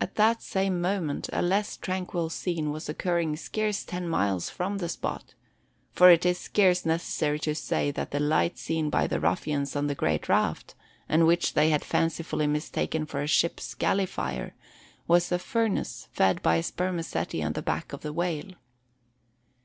At that same moment a less tranquil scene was occurring scarce ten miles from the spot; for it is scarce necessary to say that the light seen by the ruffians on the great raft and which they had fancifully mistaken for a ship's galley fire, was the furnace fed by spermaceti on the back of the whale.